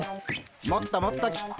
もっともっと切って。